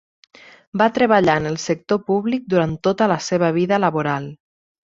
Va treballar en el sector públic durant tota la seva vida laboral.